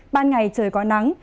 ban ngày trời có nắng